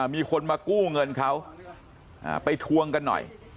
มีคนมากู้เงินเขาไปทวงกันหน่อย